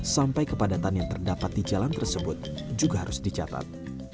sampai kepadatan yang terdapat di jalan tersebut juga harus dicatat